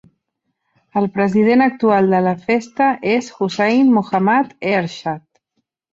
El president actual de la festa és Hussain Mohammad Ershad.